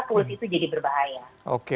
tools itu jadi berbahaya